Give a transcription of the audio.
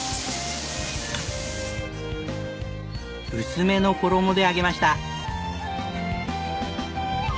薄めの衣で揚げました。